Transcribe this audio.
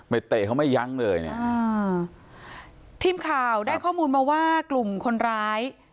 เตะเขาไม่ยั้งเลยเนี่ยอ่าทีมข่าวได้ข้อมูลมาว่ากลุ่มคนร้าย